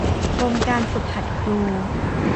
กรมการฝึกหัดครู